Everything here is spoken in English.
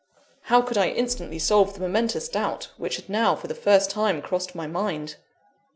How could I instantly solve the momentous doubt which had now, for the first time, crossed my mind?